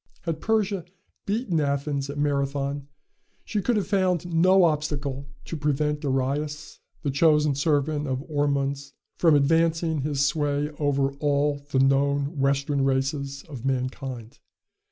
Had Persia beaten Athens at Marathon, she could have found no obstacle to prevent Darius, the chosen servant of Ormuzd, from advancing his sway over all the known Western races of mankind.